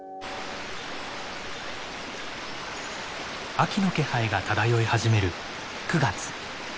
秋の気配が漂い始める９月。